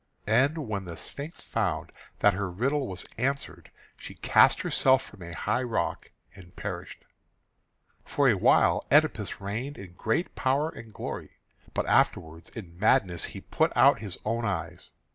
And when the Sphinx found that her riddle was answered, she cast herself from a high rock and perished. For a while Oedipus reigned in great power and glory; but afterwards in madness he put out his own eyes.